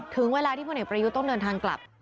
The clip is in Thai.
ถึงเวลาที่พลเอกประยุทธ์ต้องเดินทางกลับ